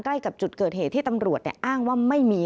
ใกล้กับจุดเกิดเหตุที่ตำรวจอ้างว่าไม่มี